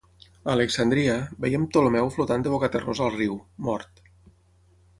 A Alexandria, veiem Ptolemeu flotant de bocaterrosa al riu, mort.